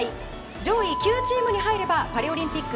上位９チームに入ればパリオリンピック